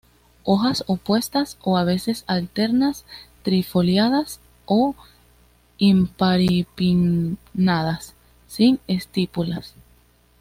Hojas opuestas o a veces alternas, trifoliadas o imparipinnadas, sin estípulas.